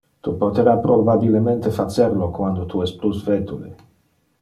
Tu potera probabilemente facer lo quando tu es plus vetule.